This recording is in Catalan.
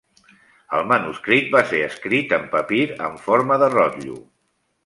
El manuscrit va ser escrit en papir en forma de rotllo.